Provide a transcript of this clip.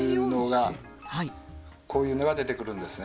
こういうのが出てくるんですね。